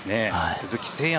鈴木誠也。